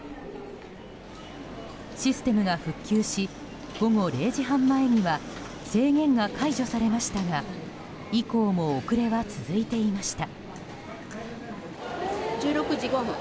システムが復旧し午後０時半前には制限が解除されましたが以降も遅れは続いていました。